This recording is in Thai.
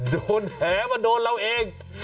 โดนแหมาโดนเราเอง